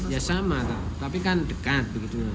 ya sama tapi kan dekat begitu